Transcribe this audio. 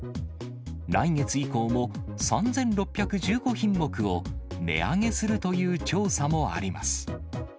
来月以降も３６１５品目を値上げするという調査もあります。